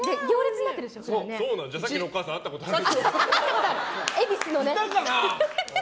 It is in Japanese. じゃあさっきのお母さんあったことある？